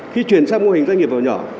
khi chuyển sang mô hình doanh nghiệp vừa nhỏ